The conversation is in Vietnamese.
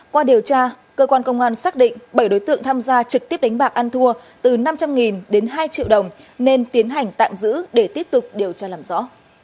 qua điều tra cơ quan công an xác định bảy đối tượng tham gia trực tiếp đánh bạc ăn thua từ năm trăm linh đến hai triệu đồng nên tiến hành tạm giữ để tiếp tục điều tra làm rõ